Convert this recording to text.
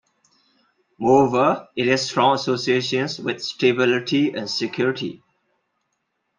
Moreover, it has strong associations with stability and security.